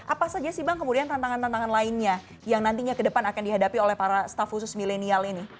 apa saja sih bang kemudian tantangan tantangan lainnya yang nantinya ke depan akan dihadapi oleh para staff khusus milenial ini